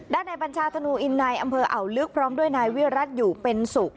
ในบัญชาธนูอินในอำเภออ่าวลึกพร้อมด้วยนายวิรัติอยู่เป็นสุข